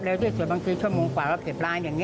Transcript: เร็วที่สุดบางทีชั่วโมงกว่า๑๐ล้านอย่างนี้